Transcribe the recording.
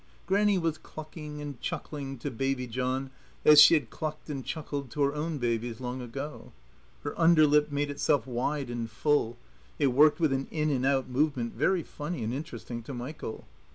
Grannie was clucking and chuckling to Baby John as she had clucked and chuckled to her own babies long ago. Her under lip made itself wide and full; it worked with an in and out movement very funny and interesting to Michael.